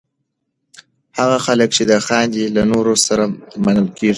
هغه خلک چې خاندي، له نورو سره منل کېږي.